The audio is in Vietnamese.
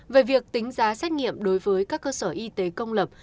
về việc tính giá xét nghiệm đối với các cơ sở y tế công lập